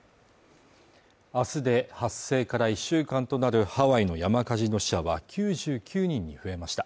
明日で発生から１週間となるハワイの山火事の死者は９９人に増えました